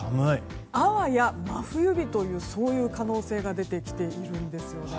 あわや真冬日とそういう可能性が出てきているんです。